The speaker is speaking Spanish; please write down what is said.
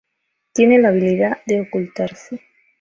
Tiene la habilidad de ocultarse.